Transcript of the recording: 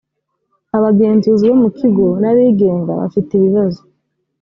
abagenzuzi bo mu kigo n abigenga bafite ibibazo